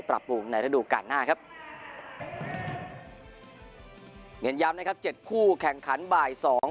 ปรับปรุงในระดูการหน้าครับเน้นย้ำนะครับเจ็ดคู่แข่งขันบ่ายสอง